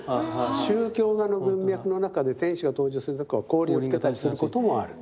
宗教画の文脈の中で天使が登場する時は光輪をつけたりすることもある。